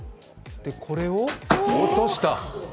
で、これを落とした。